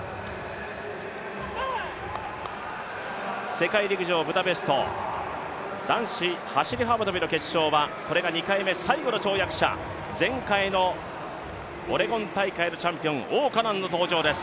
世界陸上ブダペスト、男子走幅跳の決勝はこれが２回目、最後の跳躍者、前回のオレゴン大会のチャンピオン、王嘉男の登場です。